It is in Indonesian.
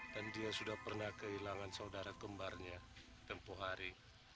dan dia sudah pernah kehilangan saudara kembarnya tempoh hari